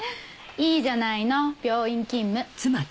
いいじゃないの病院勤務。